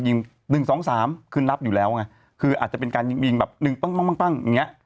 ยิง๑๒๓ขึ้นรับอยู่แล้วคืออาจจะเป็นการยิงแบบ๑ปั้ง